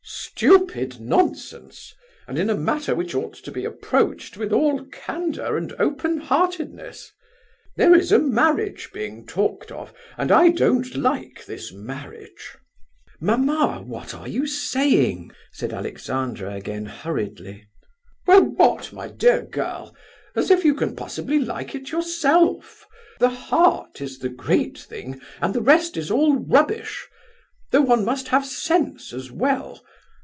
Stupid nonsense, and in a matter which ought to be approached with all candour and open heartedness. There is a marriage being talked of, and I don't like this marriage—" "Mamma, what are you saying?" said Alexandra again, hurriedly. "Well, what, my dear girl? As if you can possibly like it yourself? The heart is the great thing, and the rest is all rubbish—though one must have sense as well.